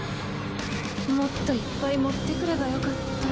もっといっぱい持ってくればよかった。